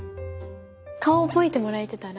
顔覚えてもらえてたら。